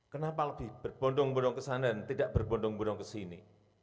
kenapa lebih berbondong bondong ke sana dan tidak berbondong bondong ke sini